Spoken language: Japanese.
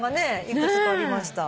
いくつかありました。